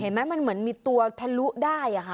เห็นมั้ยมันเหมือนมีตัวทะลุได้